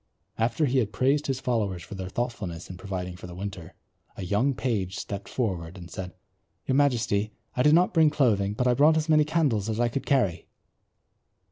After he had praised his followers for their thoughtfulness in providing for the winter, a young page stepped forward and said, "Your Majesty, I did not bring clothing, but I brought as many candles as I could carry."